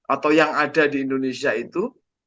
atau yang ada di indonesia itu